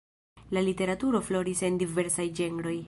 La literaturo floris en diversaj ĝenroj.